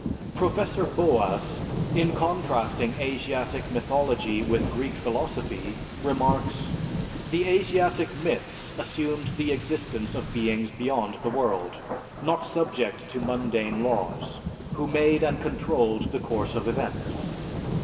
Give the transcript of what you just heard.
Professor Boas, in contrasting Asiatic mythology with Greek philosophy, remarks: "The Asiatic myths assumed the existence of beings beyond the world, not subject to mundane laws, who made and controlled the course of events.